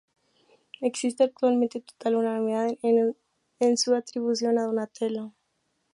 Existe, actualmente total unanimidad es su atribución a Donatello.